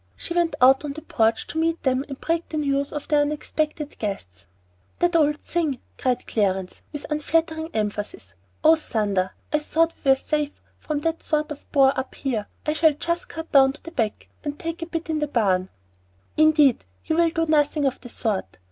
She went out on the porch to meet them and break the news of the unexpected guests. "That old thing!" cried Clarence, with unflattering emphasis. "Oh, thunder! I thought we were safe from that sort of bore up here. I shall just cut down to the back and take a bite in the barn." "Indeed you will do nothing of the sort.